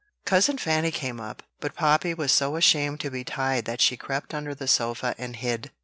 Cousin Fanny came up, but Poppy was so ashamed to be tied that she crept under the sofa and hid.